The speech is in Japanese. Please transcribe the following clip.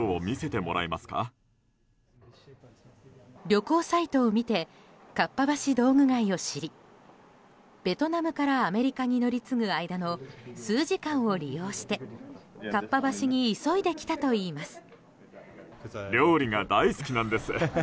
旅行サイトを見てかっぱ橋道具街を知りベトナムから、アメリカに乗り継ぐ間の数時間を利用してかっぱ橋に急いで来たといいます。